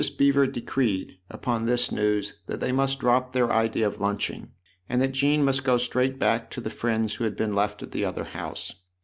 Beever decreed, upon this news, that they must drop their idea of lunching and that Jean must go straight back to the friends who had been left at the other house.